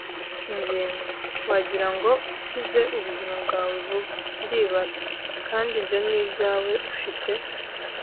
ingingo! Wagira ngo ukize ubuzima bwawe vuba, ndibara; kandi ibyo ni ibyawe. Ufite